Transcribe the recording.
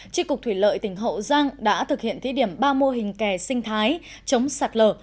tri cục thủy lợi tỉnh hậu giang đã thực hiện thí điểm ba mô hình kè sinh thái chống sạt lở